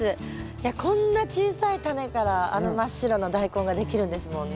いやこんな小さいタネからあの真っ白なダイコンができるんですもんね。